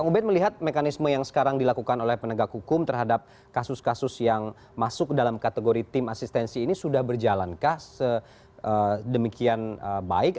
pak ubed melihat mekanisme yang sekarang dilakukan oleh penegak hukum terhadap kasus kasus yang masuk dalam kategori tim asistensi ini sudah berjalankah sedemikian baik